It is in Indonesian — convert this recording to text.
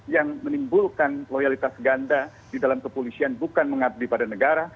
yang menimbulkan loyalitas ganda di dalam kepolisian bukan mengabdi pada negara